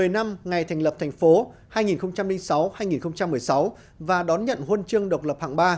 một nghìn chín trăm linh sáu hai nghìn một mươi sáu một mươi năm ngày thành lập thành phố hai nghìn sáu hai nghìn một mươi sáu và đón nhận huân chương độc lập hạng ba